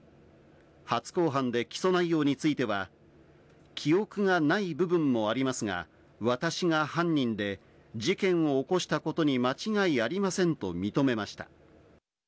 初公判で起訴内容については、記憶がない部分もありますが、私が犯人で事件を起こしたことに間違いありませんと認めました。